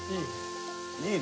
いいね。